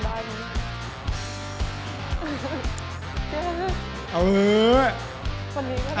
เล่าปื้นหลักชิ้นด้ายกัน